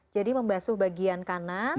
jadi membasuh bagian kanan